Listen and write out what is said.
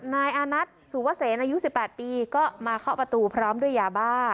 นายอานัทสุวเสนอายุ๑๘ปีก็มาเคาะประตูพร้อมด้วยยาบ้า